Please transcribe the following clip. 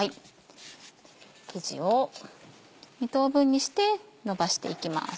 生地を２等分にしてのばしていきます。